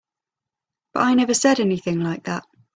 But I never said anything like that.